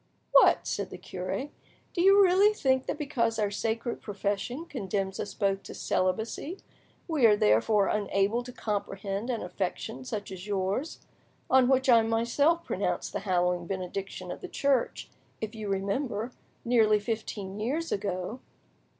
"What!" said the cure, "do you really think that because our sacred profession condemns us both to celibacy, we are therefore unable to comprehend an affection such as yours, on which I myself pronounced the hallowing benediction of the Church—if you remember—nearly fifteen years ago?"